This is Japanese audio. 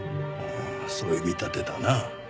ああそういう見立てだな。